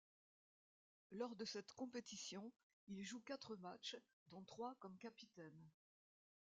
Lors de cette compétition, il joue quatre matchs, dont trois comme capitaine.